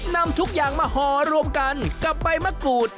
นำทุกอย่างมาห่อรวมกันกับใบมะกรูด